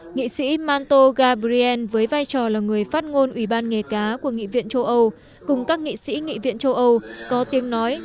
nghị sĩ manto gabriel với vai trò là người phát ngôn ủy ban nghề cá của nghị viện châu âu cùng các nghị sĩ nghị viện châu âu có tiếng nói